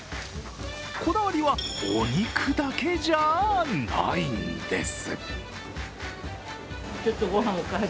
こだわりは、お肉だけじゃないんです。